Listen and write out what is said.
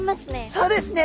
そうですね。